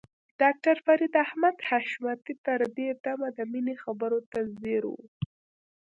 ډاکټر فريد احمد حشمتي تر دې دمه د مينې خبرو ته ځير و.